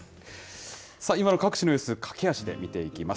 今の各地の様子、駆け足で見ていきます。